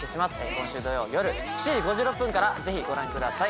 今週土曜夜７時５６分からぜひご覧ください